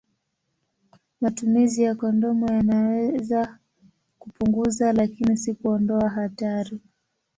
Matumizi ya kondomu yanaweza kupunguza, lakini si kuondoa hatari.